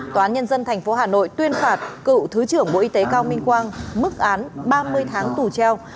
tòa án nhân dân tp hà nội tuyên phạt cựu thứ trưởng bộ y tế cao minh quang mức án ba mươi tháng tù treo